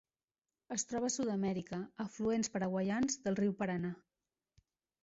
Es troba a Sud-amèrica: afluents paraguaians del riu Paranà.